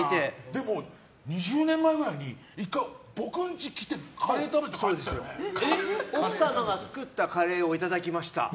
でも２０年前くらいに１回僕ん家来て奥様が作ったカレーをいただきました。